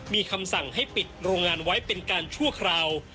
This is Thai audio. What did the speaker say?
มีคำสั่งให้ปิดโรงงานไว้เป็นการชั่วคราว